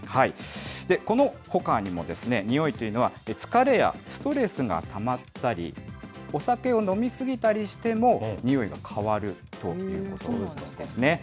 このほかにも、においというのは疲れやストレスがたまったり、お酒を飲み過ぎたりしてもにおいが変わるということなんですね。